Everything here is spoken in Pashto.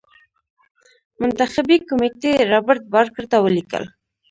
منتخبي کمېټې رابرټ بارکر ته ولیکل.